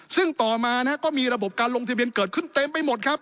ซึ่งต่อมาก็มีระบบการลงทะเบียนเกิดขึ้นเต็มไปหมดครับ